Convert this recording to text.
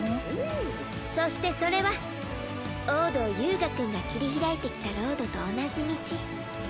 そしてそれは王道遊我くんが切り開いてきたロードと同じ道。